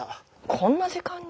こんな時間に？